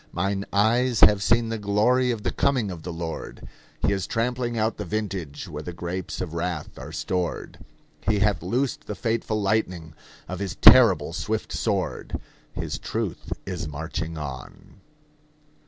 Mine eyes have seen the glory of the coming of the Lord: He is trampling out the vintage where the grapes of wrath are stored; He hath loosed the fateful lightning of his terrible swift sword; His truth is marching on.